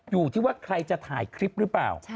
อยู่ที่ว่าใครจะถ่ายคลิปหรือเปล่า